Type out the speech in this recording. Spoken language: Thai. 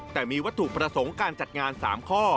แต่มีวัตถุประสงค์การจัดงาน๓ข้อ